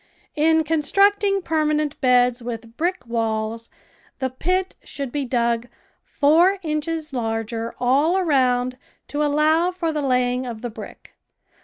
In constructing permanent beds with brick walls, the pit should be dug four inches larger all around to allow for the laying of the brick.